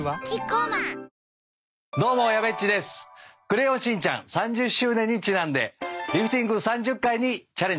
『クレヨンしんちゃん』３０周年にちなんでリフティング３０回にチャレンジします。